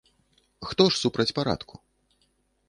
Хто ж супраць парадку?!